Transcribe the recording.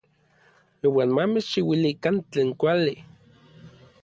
Iuan ma mechchiuilikan tlen kuali.